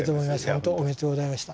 本当おめでとうございました。